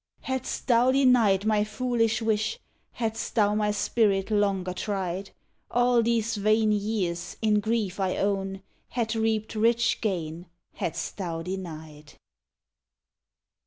Hadst Thou denied my foolish wish; Hadst Thou my spirit longer tried! All these vain years, in grief, I own, Had reaped rich gain hadst Thou denied!